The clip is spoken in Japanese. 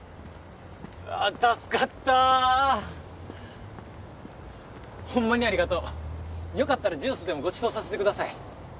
助かったほんまにありがとうよかったらジュースでもごちそうさせてください